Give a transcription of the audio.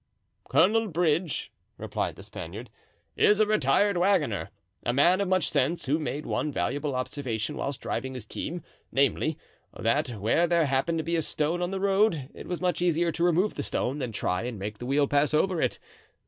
"Colonel Bridge," replied the Spaniard, "is a retired wagoner, a man of much sense, who made one valuable observation whilst driving his team, namely, that where there happened to be a stone on the road, it was much easier to remove the stone than try and make the wheel pass over it.